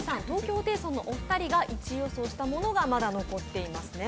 ホテイソンそんのお二人が１位予想したものがまだ残っていますね。